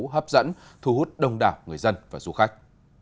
hấp dẫn thu hút đông đảo người dân và du khách